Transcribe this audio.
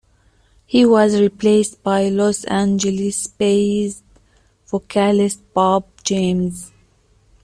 He was replaced by Los Angeles-based vocalist Bob James.